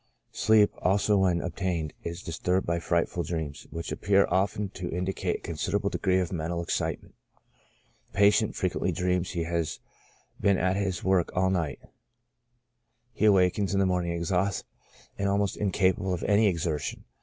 Sleep, also, when obtained, is disturbed by frightful dreams, which appear often to indicate a considerable degree of mental excite ment ; the patient frequently dreams he has been at his work all night ; he awakes in the morning exhausted, and almost incapable of any exertion.